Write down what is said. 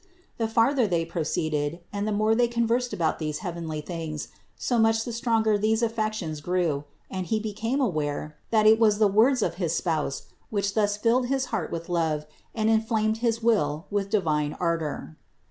The farther they proceeded and the more they conversed about these heavenly things, so much the stronger these affections grew, and he became aware, that it was the words of his Spouse, which thus filled his heart with love and inflamed his will with divine ardor.